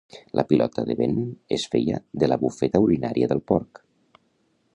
La pilota de vent es feia de la bufeta urinaria del porc.